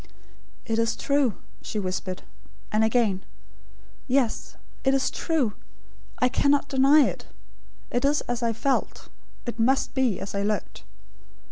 "It is true," she whispered; and again: "Yes; it is true. I cannot deny it. It is as I felt; it must be as I looked."